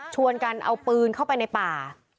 กันเอาปืนเข้าไปในป่า